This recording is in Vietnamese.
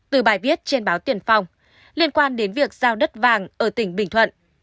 tuyển phong liên quan đến việc giao đất vàng ở tỉnh bình thuận